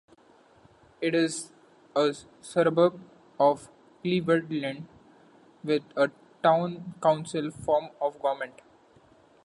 It is a suburb of Cleveland with a town council form of government.